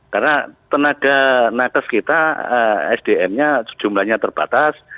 karena penada nakes kita sdm nya jumlahnya terbatas